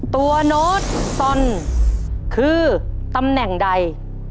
โน้ตซอนคือตำแหน่งใด